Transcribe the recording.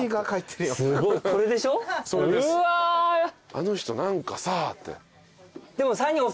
あの人何かさって。